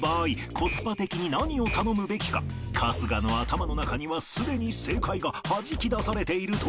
コスパ的に何を頼むべきか春日の頭の中にはすでに正解がはじき出されているという。